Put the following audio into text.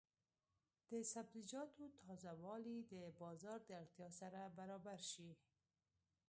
د سبزیجاتو تازه والي د بازار د اړتیا سره برابر شي.